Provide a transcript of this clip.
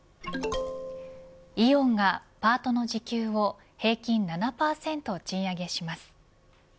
イオンが、パートの時給を平均７％賃上げします。